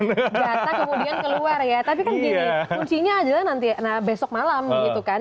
jatah kemudian keluar ya tapi kan gini kuncinya adalah nanti besok malam gitu kan